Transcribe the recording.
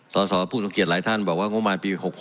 สสผู้ทรงเกียจหลายท่านบอกว่างบมารปี๖๖